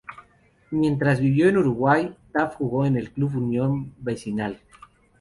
Mientras vivió en Uruguay, Tab jugó en el club Unión Vecinal.